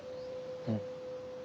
うん。